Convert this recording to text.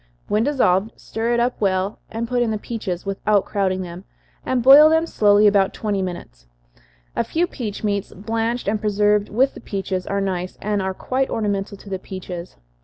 When dissolved, stir it up well, and put in the peaches, without crowding them, and boil them slowly about twenty minutes. A few peach meats, blanched and preserved with the peaches, are nice, and are quite ornamental to the peaches.